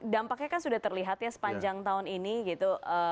dampaknya kan sudah terlihat ya sepanjang tahun ini gitu